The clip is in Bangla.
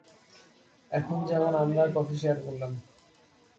এখন যেমন আমরা কফি শেয়ার করলাম।